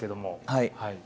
はい。